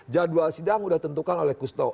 jadwal sidang sudah tentukan oleh kusto